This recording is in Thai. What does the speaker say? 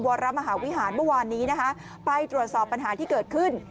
วรมหาวิหารเมื่อวานนี้นะคะไปตรวจสอบปัญหาที่เกิดขึ้น